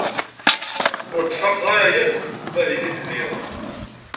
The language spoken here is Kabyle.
Ur d-faqeɣ ara yakk ma din i telliḍ.